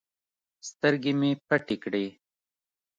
سترگې مې پټې کړې.